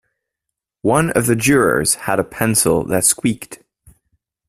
One of the jurors had a pencil that squeaked.